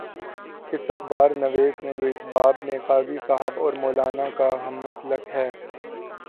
اس اخبار نویس نے جو اس باب میں قاضی صاحب اور مو لانا کا ہم مسلک ہے۔